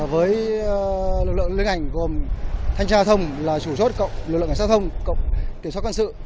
với lực lượng linh hành gồm thanh tra xong là chủ chốt cộng lực lượng xã thông cộng kiểm soát cân sự